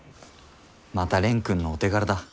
また蓮くんのお手柄だ。